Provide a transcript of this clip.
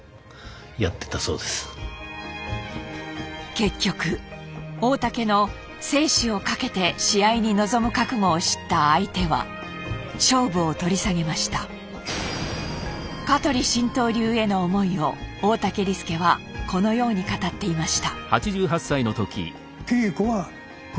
結局大竹の生死をかけて試合に臨む覚悟を知った香取神道流への思いを大竹利典はこのように語っていました。